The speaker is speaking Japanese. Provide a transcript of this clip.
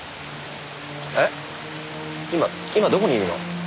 えっ今今どこにいるの？